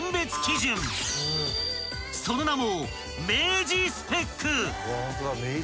［その名も］